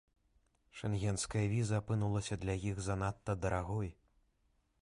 Шэнгенская віза апынулася для іх занадта дарагой.